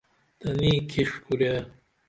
تنی کھیڜ کُرے